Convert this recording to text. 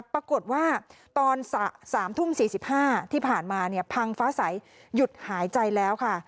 ปรากฏว่าตอน๓ทุ่ม๔๕ที่ผ่านมาพังฟ้าใสหยุดหายใจแล้วค่ะ